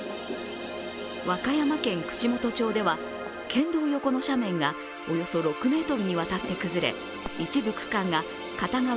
和歌山県串本町では県道横の斜面がおよそ６ｍにわたって崩れ一部区間が片側